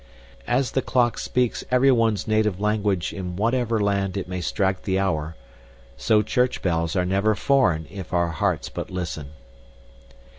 As the clock speaks everyone's native language in whatever land it may strike the hour, so church bells are never foreign if our hearts but listen.